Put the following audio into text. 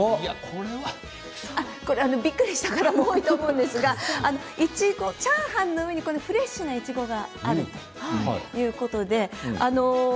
これは。びっくりした方も多いと思うんですがチャーハンの上にフレッシュないちごがあるということで。